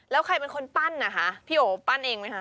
แล้วใครเป็นคนปั้นนะคะพี่โอปั้นเองไหมคะ